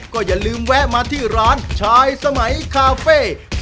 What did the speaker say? ก็อย่าลืมแวะมาที่ร้านชายสมัยคาเฟ่